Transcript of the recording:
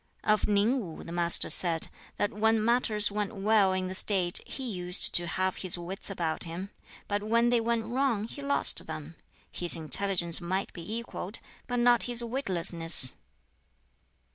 Of Ning Wu, the Master said that when matters went well in the State he used to have his wits about him: but when they went wrong, he lost them. His intelligence might be equalled, but not his witlessness!